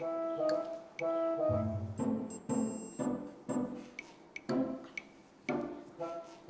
aduh sama ngerang